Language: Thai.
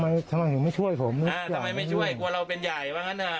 ทำไมไม่ช่วยผมทำไมไม่ช่วยกลัวเราเป็นใหญ่ว่างั้นอะ